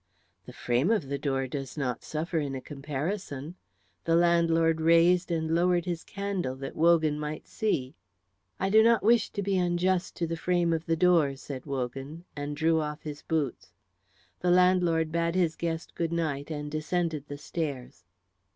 "The frame of the door does not suffer in a comparison." The landlord raised and lowered his candle that Wogan might see. "I do not wish to be unjust to the frame of the door," said Wogan, and he drew off his boots. The landlord bade his guest good night and descended the stairs.